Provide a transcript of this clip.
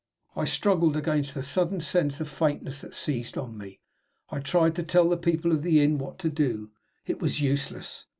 I struggled against the sudden sense of faintness that seized on me; I tried to tell the people of the inn what to do. It was useless.